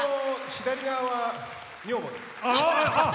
左側は女房です。